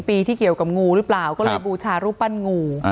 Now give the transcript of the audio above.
ปีที่เกี่ยวกับงูหรือเปล่าก็เลยบูชารูปปั้นงู